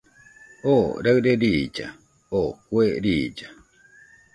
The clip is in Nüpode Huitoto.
Oo raɨre riilla, o kue riilla